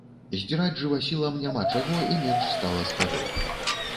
Здзіраць жывасілам няма чаго і менш стала з каго.